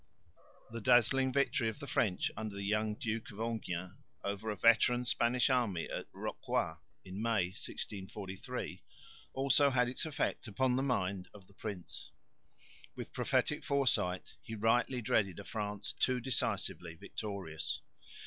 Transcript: The dazzling victory of the French under the young Duke of Enghien over a veteran Spanish army at Rocroi (May, 1643) also had its effect upon the mind of the prince. With prophetic foresight, he rightly dreaded a France too decisively victorious.